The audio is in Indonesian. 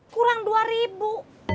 kurang dua ribu